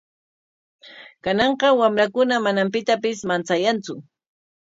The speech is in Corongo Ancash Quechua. Kananqa wamrakuna manam pitapis manchayantsu.